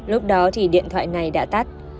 lúc đó thì điện thoại này đã tắt